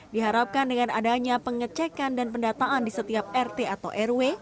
diharapkan dengan adanya pengecekan dan pendataan di setiap rt atau rw